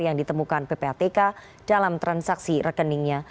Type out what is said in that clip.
yang ditemukan ppatk dalam transaksi rekeningnya